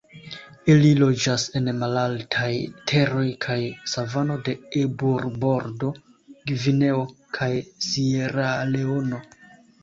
Ili loĝas en malaltaj teroj kaj savano de Eburbordo, Gvineo kaj Sieraleono.